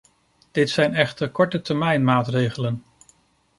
Dit zijn echter kortetermijnmaatregelen.